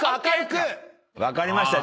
分かりました。